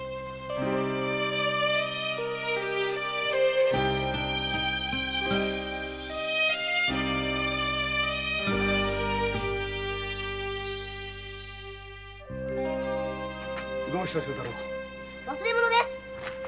忘れ物です！